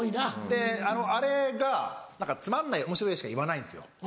であれがつまんないおもしろいしか言わないんですよ。